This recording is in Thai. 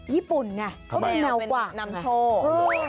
ญี่ปุ่นเนี่ยแมวเป็นนำโชค